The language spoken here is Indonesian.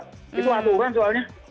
itu aturan soalnya